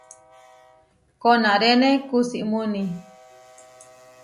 Konaréne kusímuni.